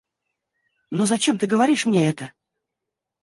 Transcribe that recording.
Но зачем ты говоришь мне это?